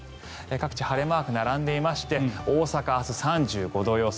各地、晴れマークが並んでいまして大阪は明日３５度予想